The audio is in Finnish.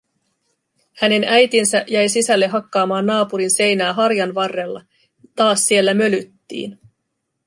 Hänen äitinsä jäi sisälle hakkaamaan naapurin seinää harjanvarrella, taas siellä mölyttiin.